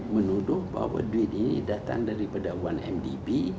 menuduh bahwa duit ini datang daripada satu mdb